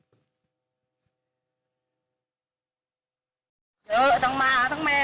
วันถัดไปก็ไม่คุยอะไรไปรอขนมขนมส่งมาจากใต้ก็ยังไม่ถึง